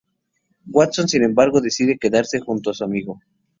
Watson, sin embargo, decide quedarse junto a su amigo.